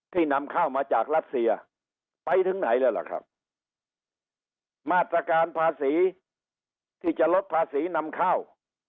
นำข้าวมาจากรัสเซียไปถึงไหนแล้วล่ะครับมาตรการภาษีที่จะลดภาษีนำข้าว